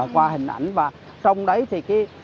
qua hình ảnh và trong đấy thì